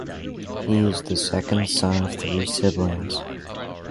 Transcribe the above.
He is the second son of three siblings.